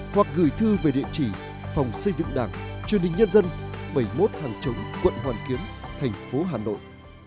hoặc gửi thư về địa chỉ phòng xây dựng đảng truyền hình nhân dân bảy mươi một hàng chống quận hoàn kiếm thành phố hà nội